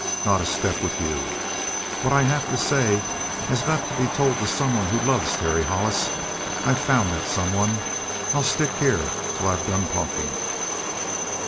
"Not a step with you. What I have to say has got to be told to someone who loves Terry Hollis. I've found that someone. I stick here till I've done talking."